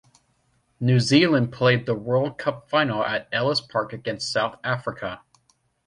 New Zealand played the World Cup final at Ellis Park against South Africa.